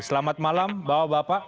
selamat malam bawa bapak